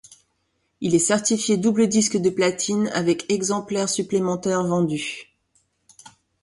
Il est certifié double disque de platine avec exemplaires supplémentaires vendus.